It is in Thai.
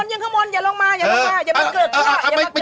ยืนข้างบนเยอะไม่มา